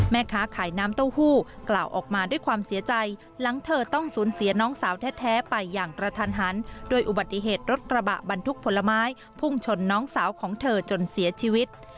แม่ค้าขายน้ำเต้าหู้กล่าวออกมาด้วยความเสียใจหลังเธอต้องสูญเสียน้องสาวแท้ไปอย่างกระทันหันด้วยอุบัติเหตุรถกระบะบรรทุกผลไม้พุ่งชนน้องสาวของเธอจนเสียชีวิต